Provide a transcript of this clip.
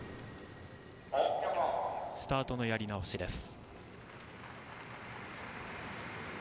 スタートのやり直しです。